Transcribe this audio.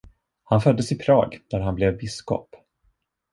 Han föddes i Prag, där han blev biskop.